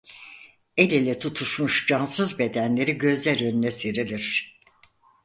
El ele tutuşmuş cansız bedenleri gözler önüne serilir.